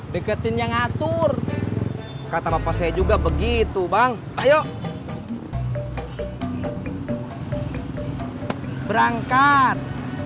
deketin yang ngatur kata bapak saya juga begitu bang ayo berangkat